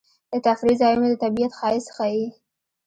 د تفریح ځایونه د طبیعت ښایست ښيي.